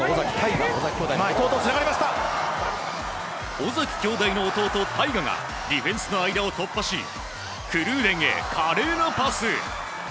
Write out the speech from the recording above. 尾崎兄弟の弟・泰雅がディフェンスの間を突破しクルーデンへ華麗なパス。